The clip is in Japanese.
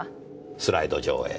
スライド上映。